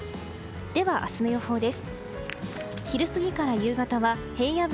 明日の予報です。